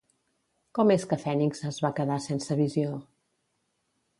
Com és que Fènix es va quedar sense visió?